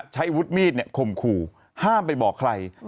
ใช้วุฒิมีดข่มขู่ห้ามไปบอกใคร